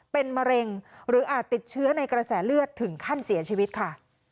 เป็นมะเร็งหรืออาจติดเชื้อในกระแสเลือดถึงขั้นเสียชีวิตค่ะ